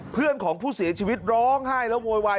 เพื่อนของผู้เสียชีวิตร้องไห้แล้วโวยวาย